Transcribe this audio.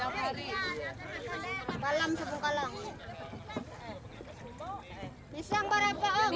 beli apa yang macam macam